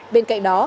bên cạnh đó